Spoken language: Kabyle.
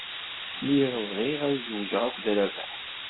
Lliɣ bɣiɣ ad zewǧeɣ akked Rabaḥ.